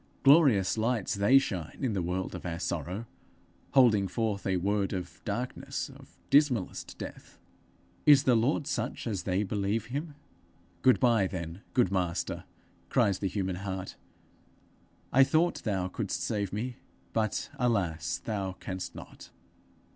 Glorious lights they shine in the world of our sorrow, holding forth a word of darkness, of dismallest death! Is the Lord such as they believe him? 'Good bye, then, good Master!' cries the human heart. 'I thought thou couldst save me, but, alas, thou canst not.